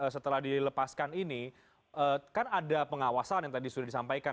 setelah dilepaskan ini kan ada pengawasan yang tadi sudah disampaikan